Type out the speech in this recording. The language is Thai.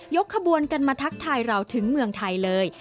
ขบวนกันมาทักทายเราถึงเมืองไทยเลย